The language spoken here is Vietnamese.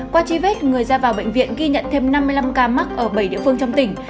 qua truy vết người ra vào bệnh viện ghi nhận thêm năm mươi năm ca mắc ở bảy địa phương trong tỉnh